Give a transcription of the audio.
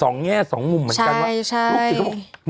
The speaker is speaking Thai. ๒แง่๒มุมเหมือนกัน